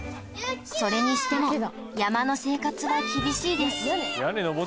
それにしても山の生活は厳しいです